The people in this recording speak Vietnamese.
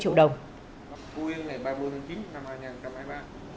phú yên ngày ba mươi bốn chín hai nghìn hai mươi ba